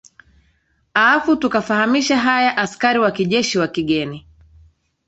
afu tukafahamisha haya askari wa kijeshi wa kigeni